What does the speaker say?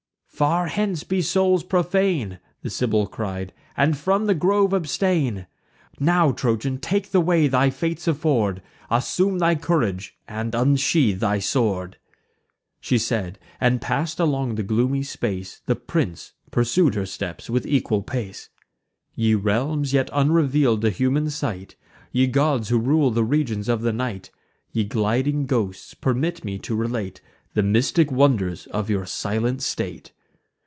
"Far hence be souls profane!" The Sibyl cried, "and from the grove abstain! Now, Trojan, take the way thy fates afford; Assume thy courage, and unsheathe thy sword." She said, and pass'd along the gloomy space; The prince pursued her steps with equal pace. Ye realms, yet unreveal'd to human sight, Ye gods who rule the regions of the night, Ye gliding ghosts, permit me to relate The mystic wonders of your silent state!